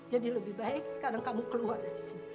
jadi lebih baik sekarang kamu keluar dari sini